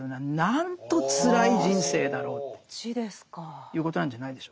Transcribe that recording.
そっちですか。ということなんじゃないでしょうか。